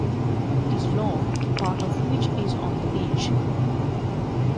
It is long, part of which is on the beach.